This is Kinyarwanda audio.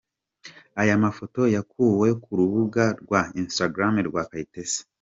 Aya mafoto yakuwe ku rubuga rwa Instagram rwa Kayitesi.